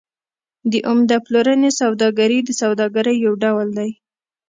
د عمده پلورنې سوداګري د سوداګرۍ یو ډول دی